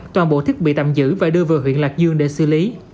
toàn bộ thiết bị tạm giữ và đưa về huyện lạc dương để xử lý